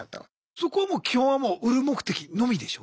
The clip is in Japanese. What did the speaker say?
そこはもう基本はもう売る目的のみでしょ？